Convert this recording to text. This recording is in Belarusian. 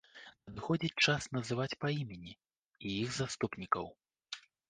Надыходзіць час называць па імені і іх заступнікаў.